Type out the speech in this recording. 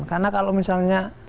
karena kalau misalnya